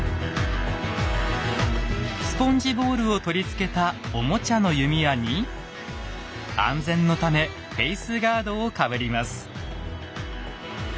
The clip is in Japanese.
スポンジボールを取り付けたおもちゃの弓矢に安全のためフェイスガードをかぶります。